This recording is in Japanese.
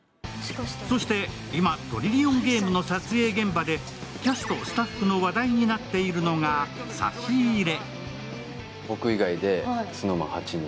そして、今「トリリオンゲーム」の撮影現場でキャスト、スタッフの話題になっているのが差し入れ。